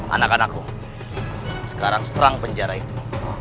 anak anakku sekarang serang penjara itu